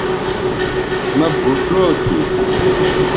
مہ بھوچو تھو